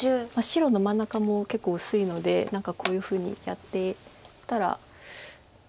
白の真ん中も結構薄いので何かこういうふうにやっていったらまた。